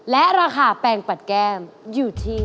และราคาแปลงปัดแก้มอยู่ที่